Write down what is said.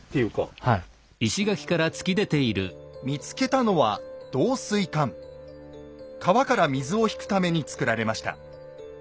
見つけたのは川から水を引くために造られました。